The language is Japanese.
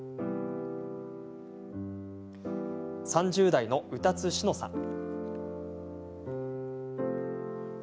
３０代の歌津梓乃さん。